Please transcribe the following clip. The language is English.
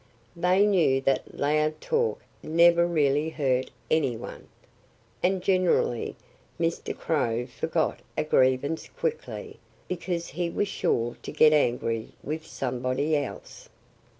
They knew that loud talk never really hurt any one. And generally Mr. Crow forgot a grievance quickly, because he was sure to get angry with somebody else.